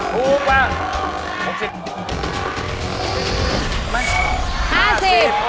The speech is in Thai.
ถูกกว่า๖๐บาท